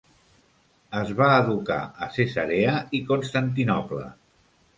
Es va educar a Cesarea i Constantinoble.